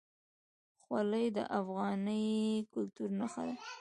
خولۍ د افغاني کلتور نښه ده.